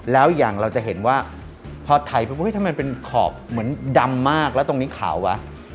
แล้วอีกอย่างเราจะเห็นว่าพอไถถ้ามันเป็นขอบเหมือนดำมากแล้วตรงนี้ขาววะ